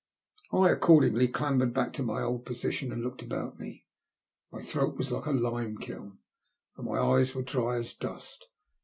I accordingly clambered back to my old position, and looked about me. My throat was like a lime kiln, and my eyes were dry as dust.